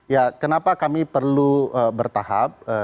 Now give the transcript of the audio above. ya kenapa kami perlu bertahap